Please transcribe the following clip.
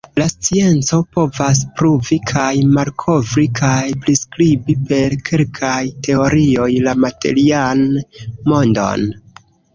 La scienco povas pruvi kaj malkovri kaj priskribi per kelkaj teorioj la materian mondon.